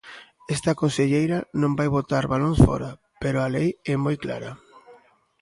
Esta conselleira non vai botar balóns fóra, pero a lei é moi clara.